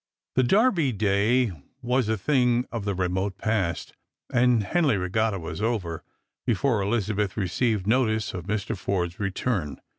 The Derby day was a thing of the remote past, and Henley Tegatta was over, before Elizabeth received notice of Mr. Forde's return.